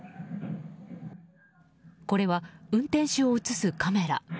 これは運転手を映すカメラ。